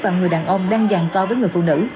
và người đàn ông đang giàn co với người phụ nữ